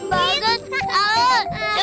teganya putri nangis